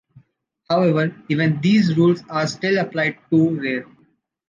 However, even these rules are still applied too rare.